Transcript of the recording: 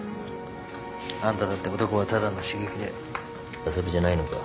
あんただって男はただの刺激で遊びじゃないのか？